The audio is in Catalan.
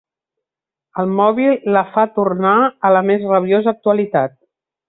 El mòbil la fa tornar a la més rabiosa actualitat.